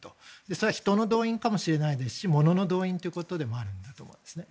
それは人の動員かもしれないですし物の動員ということでもあると思うんですね。